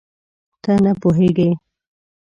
ته نه پوهېږې؟